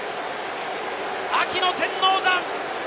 秋の天王山！